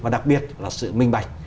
và đặc biệt là sự minh bạch